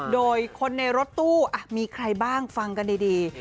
โดยคนในรถตู้มีใครบ้างฟังกันดี